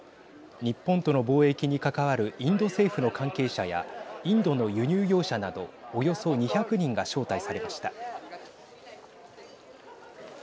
日本との貿易に関わるインド政府の関係者やインドの輸入業者などおよそ２００人が招待されました。